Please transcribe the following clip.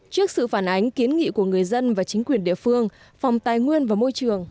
trước sự phản ánh kiến nghị của người dân và chính quyền địa phương phòng tài nguyên và môi trường